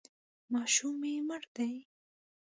ماشوم مې مړ دی.